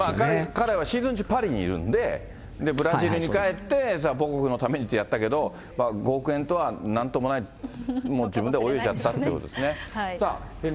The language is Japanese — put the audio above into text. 彼はシーズン中、パリにいるんで、ブラジルに帰って、母国のためにってやったけど、５億円とはなんともない、もう自分で泳いじゃったってことですね。